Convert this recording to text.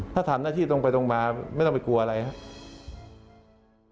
ถ้าทำหน้าที่ตรงไปตรงมาไม่ต้องไปกลัวอะไรครับ